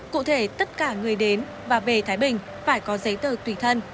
cụ thể tất cả người đến và về thái bình phải có giấy tờ tùy thân